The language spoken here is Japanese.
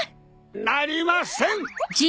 ・なりません！